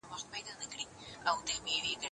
موږ باید د اوبو د ضایع کېدو مخه ونیسو.